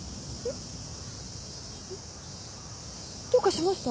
んっ？どうかしました？